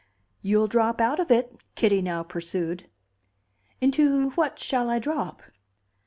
"You'll drop out of it," Kitty now pursued. "Into what shall I drop?"